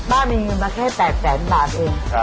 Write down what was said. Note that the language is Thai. มีเงินมาแค่๘แสนบาทเอง